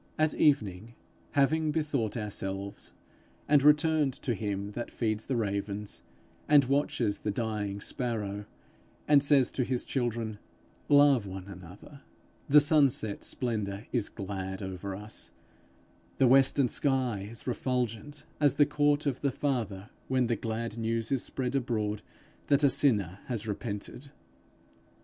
At evening, having bethought ourselves, and returned to him that feeds the ravens, and watches the dying sparrow, and says to his children 'Love one another,' the sunset splendour is glad over us, the western sky is refulgent as the court of the Father when the glad news is spread abroad that a sinner has repented.